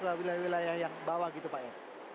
ke wilayah wilayah yang bawah gitu pak ya